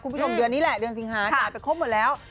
เดือนนี้แหละเดือนสิงหาจ่ายไปครบหมดแล้ว